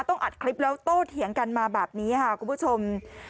อัดคลิปแล้วโต้เถียงกันมาแบบนี้ค่ะคุณผู้ชม